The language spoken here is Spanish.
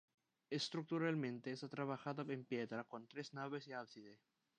Estructuralmente está trabajada en piedra, con tres naves y ábside.